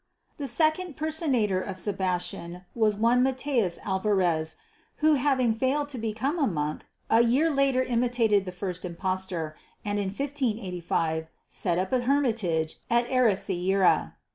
The second personator of Sebastian was one Matheus Alvares, who having failed to become a monk, a year later imitated the first impostor, and in 1585 set up a hermitage at Ericeira.